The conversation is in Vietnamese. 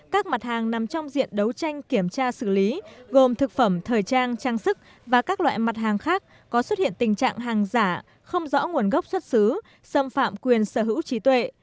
các mặt hàng nằm trong diện đấu tranh kiểm tra xử lý gồm thực phẩm thời trang trang sức và các loại mặt hàng khác có xuất hiện tình trạng hàng giả không rõ nguồn gốc xuất xứ xâm phạm quyền sở hữu trí tuệ